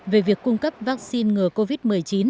về việc cung cấp vaccine ngừa covid một mươi chín